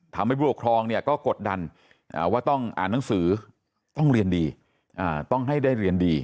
ผู้ปกครองเนี่ยก็กดดันว่าต้องอ่านหนังสือต้องเรียนดีต้องให้ได้เรียนดี